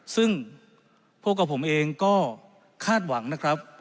ซึ่งพวกกับผมเองก็คาดหวังนะครับ